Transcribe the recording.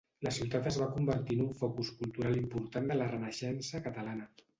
La ciutat es va convertir en un focus cultural important de la Renaixença catalana.